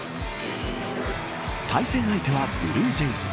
対戦相手はブルージェイズ。